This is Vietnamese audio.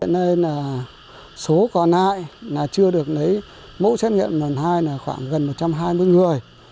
nên là số còn lại là chưa được lấy mẫu xét nghiệm lần hai là khoảng gần một trăm hai mươi người